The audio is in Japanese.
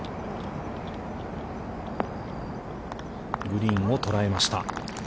グリーンを捉えました。